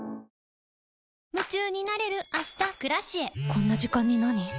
こんな時間になに？